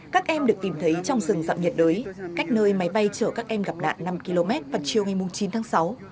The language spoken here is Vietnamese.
các em được tìm thấy trong rừng dặm nhiệt đới cách nơi máy bay chở các em gặp nạn năm km vào chiều ngày chín tháng sáu